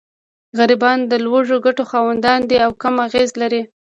غریبان د لږو ګټو خاوندان دي او کم اغېز لري.